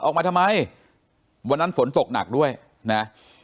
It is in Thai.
ออกมาทำไมวันนั้นฝนตกหนักด้วยนะ